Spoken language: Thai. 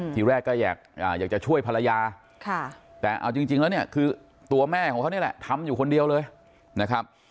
ทีแรกก็อยากจะช่วยภรรยาแต่เอาจริงแล้วเนี่ยคือตัวแม่ของเขานี่แหละทำอยู่คนเดียวเลยนะครับ